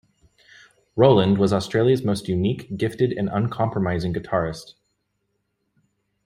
Rowland was Australia's most unique, gifted and uncompromising guitarist.